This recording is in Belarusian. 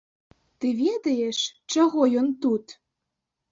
Ты ведаеш, чаго ён тут?